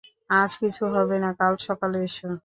আজ কিছু হবে না, কাল সকালে এসো।